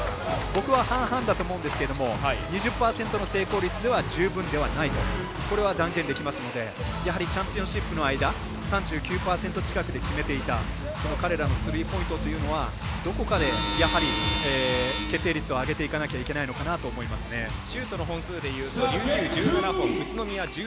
僕は半々だと思うんですが２０％の成功率では十分ではないとこれは断言できますのでチャンピオンシップの間３９％近くで決めていた彼らのスリーポイントというのはどこかでやはり決定率を上げていかなきゃシュートの本数は琉球１７本宇都宮１８本。